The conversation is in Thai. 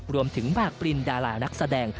รวมถึงมากปริ้นดารานักแสดง